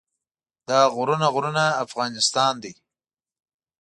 دا غرونه غرونه افغانستان دی.